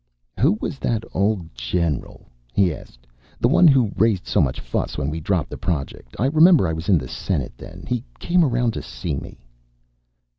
"Who was that old general," he asked, "the one who raised so much fuss when we dropped the project? I remember I was in the Senate then. He came around to see me."